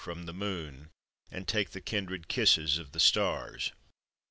from the moon, And take the kindred kisses of the stars.